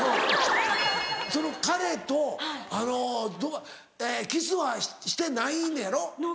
その彼とあのキスはしてないねやろ？